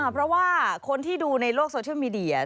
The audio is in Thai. เพราะว่าคนที่ดูในโลกโซเชียลมีเดีย